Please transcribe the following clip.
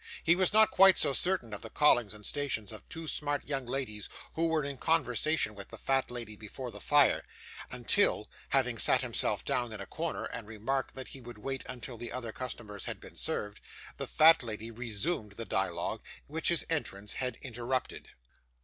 He was not quite so certain of the callings and stations of two smart young ladies who were in conversation with the fat lady before the fire, until having sat himself down in a corner, and remarked that he would wait until the other customers had been served the fat lady resumed the dialogue which his entrance had interrupted.